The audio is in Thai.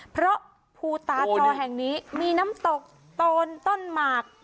เพราะภูตาจอแห่งนี้มีน้ำตกโตนต้นหมาก